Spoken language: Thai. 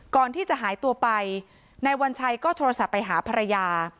ก่อนที่จะหายตัวไปนายวัญชัยก็โทรศัพท์ไปหาภรรยา